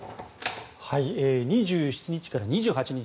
２７日から２８日